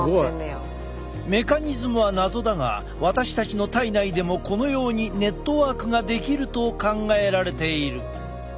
メカニズムは謎だが私たちの体内でもこのようにネットワークが出来ると考えられている。